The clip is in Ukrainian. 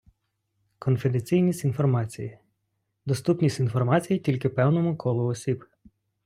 Конфіденційність інформації - доступність інформації тільки певному колу осіб.